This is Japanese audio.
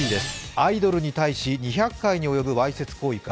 アイドルに対し２００回に及ぶわいせつ行為か。